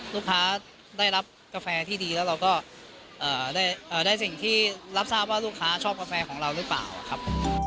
ลูกค้าได้รับกาแฟที่ดีแล้วเราก็ได้สิ่งที่รับทราบว่าลูกค้าชอบกาแฟของเราหรือเปล่าครับ